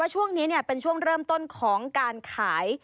ช่วงนี้เป็นช่วงเริ่มต้นของการขาย